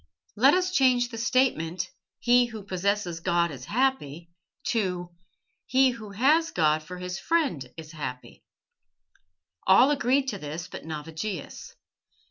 Let us change the statement, 'He who possesses God is happy' to 'He who has God for his friend is happy.'" All agreed to this but Navigius.